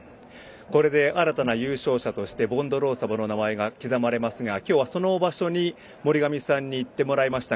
これで新たな優勝者としてボンドロウソバの名前が刻まれますが、今日はその場所に森上さんに行ってもらいました。